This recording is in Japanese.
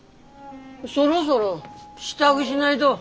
そろそろ支度しないど。